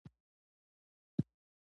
تحريف ته په عربي کي تزييف وايي.